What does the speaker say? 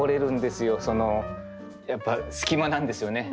やっぱ隙間なんですよね。